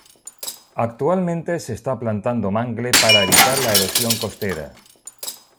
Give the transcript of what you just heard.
Actualmente se está plantando mangle par evitar la erosión costera.